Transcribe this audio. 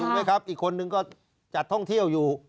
ไหมครับอีกคนนึงก็จัดท่องเที่ยวอยู่